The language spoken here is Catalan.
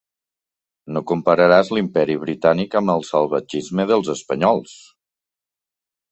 No compararàs l'imperi britànic amb el salvatgisme dels espanyols!